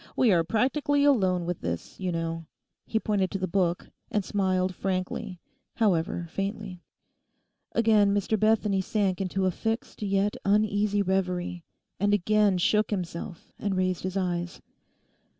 'We are practically alone with this, you know,' he pointed to the book, and smiled frankly, however faintly. Again Mr Bethany sank into a fixed yet uneasy reverie, and again shook himself and raised his eyes.